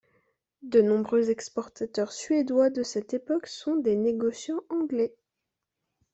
De nombreux exportateurs suédois de cette époque sont des négociants anglais.